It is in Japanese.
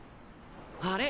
あれ？